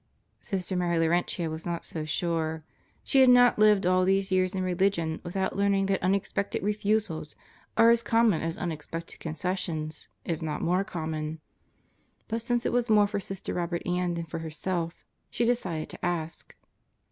Sister Mary Laurentia was not so sure. She had not lived all these years in religion without learning that unexpected refusals are as common as unexpected concessions, if not more common. But since it was more for Sister Robert Ann than for herself, she decided to ask.